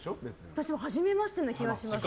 私、はじめましてな気がします。